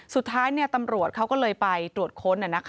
สุดท้ายตำรวจเขาก็เลยไปตรวจค้น